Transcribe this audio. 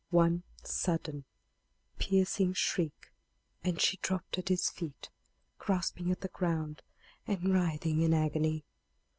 One sudden, piercing shriek, and she dropped at his feet, grasping at the ground, and writhing in agony.